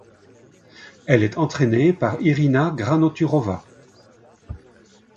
Elle est entraînée par Irina Granoturova.